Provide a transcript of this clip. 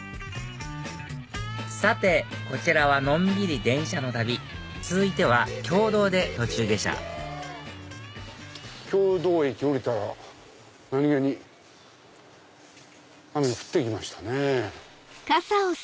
さてこちらはのんびり電車の旅続いては経堂で途中下車経堂駅降りたら何げに雨降って来ましたね。